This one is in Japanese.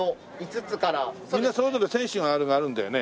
みんなそれぞれ選手のあれがあるんだよね？